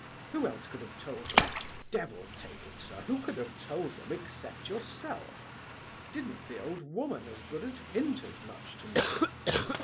Who else could have told them? Devil take it, sir, who could have told them except yourself? Didn't the old woman as good as hint as much to me?"